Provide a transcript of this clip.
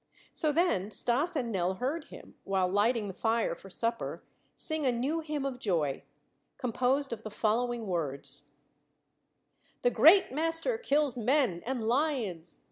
So then Stas and Nell heard him, while lighting the fire for supper, sing a new hymn of joy, composed of the following words: "The great master kills men and lions.